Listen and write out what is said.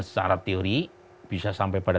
secara teori bisa sampai pada